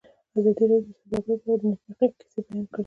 ازادي راډیو د سوداګري په اړه د نېکمرغۍ کیسې بیان کړې.